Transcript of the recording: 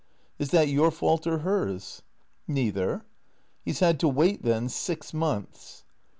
"Is that your fault or hers?" " Neither."" " He 's had to wait, then, six months